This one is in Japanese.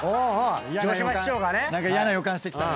何か嫌な予感してきたね。